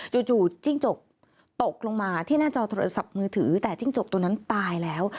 จู่จิ้งจกตกลงมาที่หน้าจอโทรศัพท์มือถือแต่จิ้งจกตัวนั้นตายแล้ว